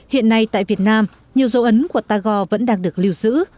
hiện nay tại việt nam nhiều dấu ấn của tagore vẫn đang được lưu giữ